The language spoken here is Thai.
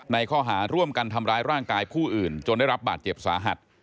ข้อหาร่วมกันทำร้ายร่างกายผู้อื่นจนได้รับบาดเจ็บสาหัส